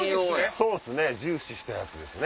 そうっすね重視したやつですね